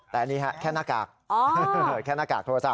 แต่อันนี้แค่หน้ากากแค่หน้ากากโทรศัพ